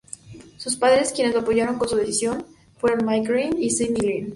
Sus padres, quienes lo apoyaron con su decisión, fueron Mike Green y Sydney Green.